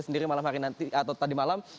sendiri malam hari nanti atau tadi malam